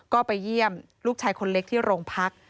ก็ไปเยี่ยมลูกชายคนเล็กที่โรงพัก